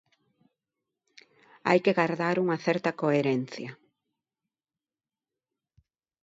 Hai que gardar unha certa coherencia.